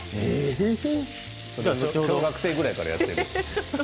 学生ぐらいからやってるって。